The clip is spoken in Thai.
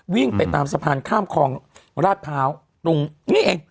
วิ่งไปตามสะพานข้ามคลองราชพร้าวตรงนี้เอง